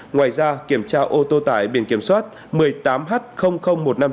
ngoài ra kiểm tra ô tô tải biển kiểm soát một mươi tám h một trăm năm mươi chín